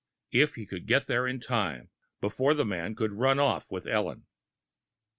If he could get there in time, before the man could run off with Ellen....